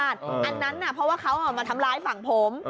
อันนั้นเพราะว่าเขามาทำร้ายฝั่งผม